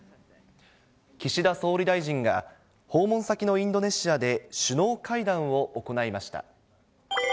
岸田総理大臣が、訪問先のインドネシアで首脳会談を行いました。